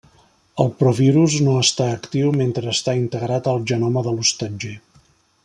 El provirus no està actiu mentre està integrat al genoma de l'hostatger.